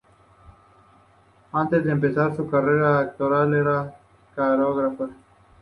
Antes de empezar su carrera actoral, era coreógrafa.